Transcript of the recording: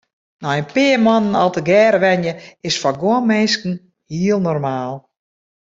Nei in pear moannen al tegearre wenje is foar guon minsken heel normaal.